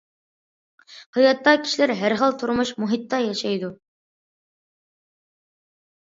ھاياتتا كىشىلەر ھەر خىل تۇرمۇش، مۇھىتتا ياشايدۇ.